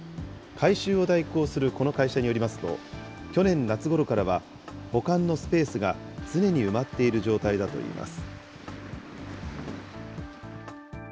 回収を代行するこの会社によりますと、去年夏ごろからは保管のスペースが常に埋まっている状態だといいます。